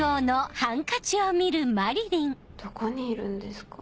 どこにいるんですか？